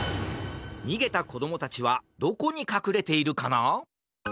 にげたこどもたちはどこにかくれているかな！？